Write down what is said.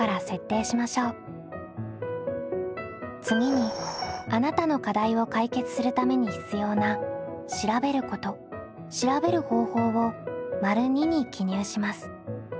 次にあなたの課題を解決するために必要な「調べること」「調べる方法」を②に記入します。